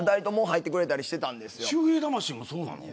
周平魂もそうなの。